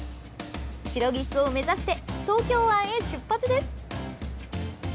シロギスを目指して東京湾へ出発です！